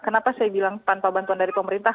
kenapa saya bilang tanpa bantuan dari pemerintah